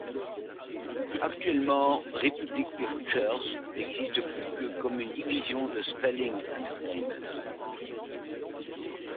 Actuellement Republic Pictures n'existe plus que comme une division de Spelling Entertainment.